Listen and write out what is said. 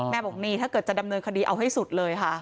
บอกนี่ถ้าเกิดจะดำเนินคดีเอาให้สุดเลยค่ะ